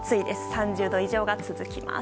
３０度以上が続きます。